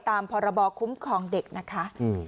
ตามพรบคุ้มครองเด็กนะคะ